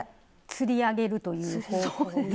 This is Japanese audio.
つり上げるという方法で。